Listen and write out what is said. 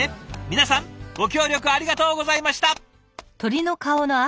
皆さんご協力ありがとうございました！